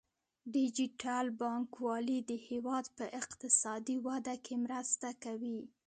ډیجیټل بانکوالي د هیواد په اقتصادي وده کې مرسته کوي.